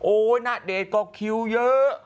โอ้ยหน้าเดชก็คิวเยอะ